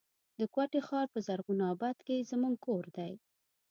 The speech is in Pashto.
د کوټي ښار په زرغون آباد کي زموږ کور دی.